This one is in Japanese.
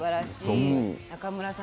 中村さん